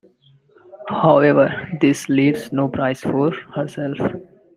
However this leaves no prize for herself.